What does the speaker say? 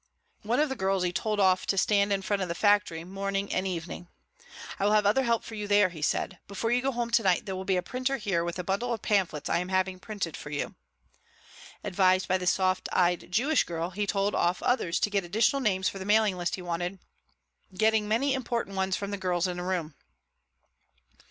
One of the girls he told off to stand in front of the factory morning and evening. "I will have other help for you there," he said. "Before you go home to night there will be a printer here with a bundle of pamphlets I am having printed for you." Advised by the soft eyed Jewish girl, he told off others to get additional names for the mailing list he wanted, getting many important ones from girls in the room.